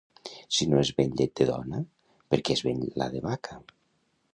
Si no es ven llet de dona perquè es ven la de vaca?